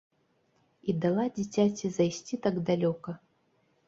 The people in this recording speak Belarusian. І дала дзіцяці зайсці так далёка!